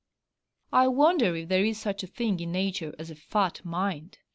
I wonder if there is such a thing in nature as a FAT MIND?